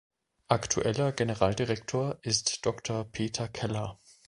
Aktueller Generaldirektor ist Dr. Peter Keller.